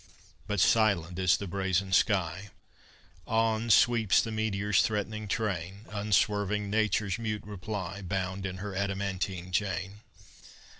But silent is the brazen sky; On sweeps the meteor's threatening train, Unswerving Nature's mute reply, Bound in her adamantine chain.